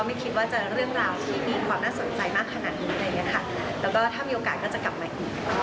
แล้วก็ถ้ามีโอกาสก็จะกลับมาอีก